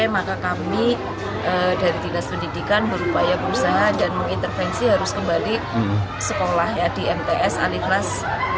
maka kami dari tidak pendidikan berupaya berusaha dan mengintervensi harus kembali sekolah di mts alih kelas